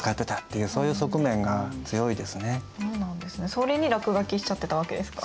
それに落書きしちゃってたわけですか？